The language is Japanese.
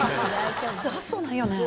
発想ないよね。